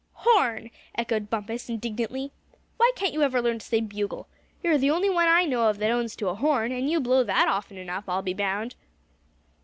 "Horn!" echoed Bumpus, indignantly; "why can't you ever learn to say bugle. You're the only one I know of that owns to a horn; and you blow that often enough, I'll be bound."